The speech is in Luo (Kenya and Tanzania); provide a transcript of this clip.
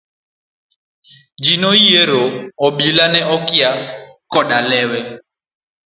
Ji nonyiero, obila ne kia koda olawe.